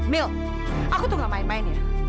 mil aku tuh gak main main ya